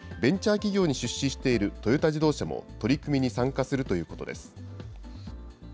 ベンチャー企業に出資しているトヨタ自動車も取り組みに参加するということです。